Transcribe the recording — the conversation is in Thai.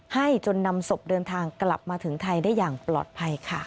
ให้จนนำศพเดินทางกลับมาถึงไทยได้อย่างปลอดภัยค่ะ